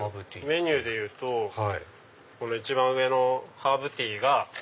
メニューでいうと一番上のハーブティーが。